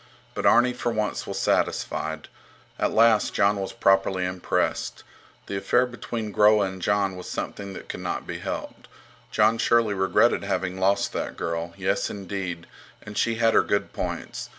But Arni for once was satisfied. At last Jon was properly impressed. The affair between Groa and Jon was something that could not be helped. Jon surely regretted having lost that girl! Yes, indeed! And she had her good points.